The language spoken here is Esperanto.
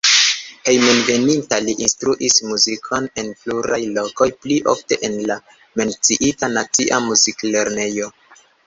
Hejmenveninta li instruis muzikon en pluraj lokoj, pli ofte en la menciita nacia muziklernejo.